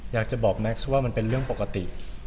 อยากจะบอกแม็กซ์ว่ามันเป็นเรื่องปกติ